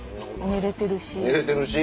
寝れてるし。